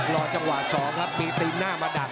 รอจังหวะ๒ครับมีตีนหน้ามาดัก